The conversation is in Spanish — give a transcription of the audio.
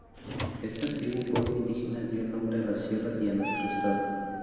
Este antiguo pueblo indígena dio el nombre a la sierra y a nuestro estado.